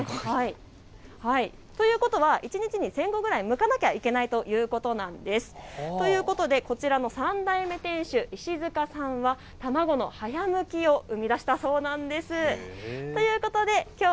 すごいですよね。ということは一日２０００個くらいむかなきゃいけないということなんです。ということでこちらの３代目店主、石塚さんは卵の早むきを生み出したそうなんです。